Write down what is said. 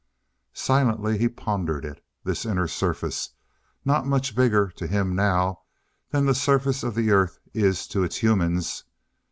Silently he pondered it. This Inner Surface not much bigger, to him now, than the surface of the Earth is to its humans....